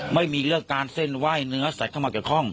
ไม่มีเรื่องการเส้นไหว้เนื้อสัตว์เข้ามาเกี่ยวข้อง